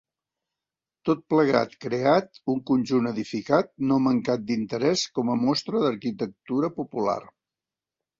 Tot plegat creat un conjunt edificat no mancat d'interès com a mostra d'arquitectura popular.